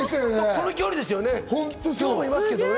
この距離ですもんね。